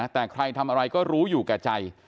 แต่ใครทำอะไรก็รู้อยู่แก่ใจ